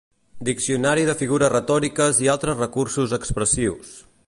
Diccionari de figures retòriques i altres recursos expressius.